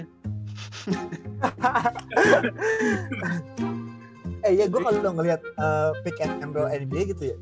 eh iya gue kalau udah ngeliat pick and roll nba gitu ya